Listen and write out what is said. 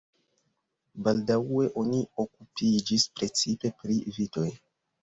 Baldaŭe oni okupiĝis precipe pri vitoj.